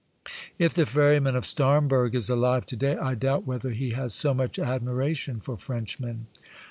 If the ferryman of Starnberg Is alive to day, I doubt whether he has so much admiration for Frenchmen.